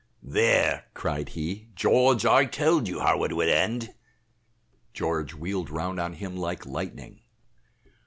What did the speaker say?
"There," cried he, "George, I told you how it would end." George wheeled round on him like lightning.